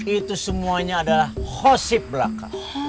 itu semuanya adalah khosib belaka